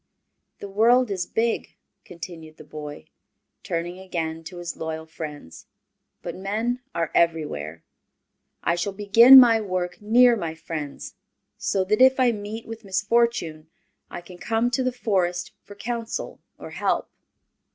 "The world is big," continued the boy, turning again to his loyal friends, "but men are everywhere. I shall begin my work near my friends, so that if I meet with misfortune I can come to the Forest for counsel or help."